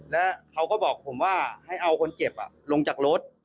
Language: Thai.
แล้วเขาก็บอกผมว่าให้เอาคนเจ็บลงจากรถ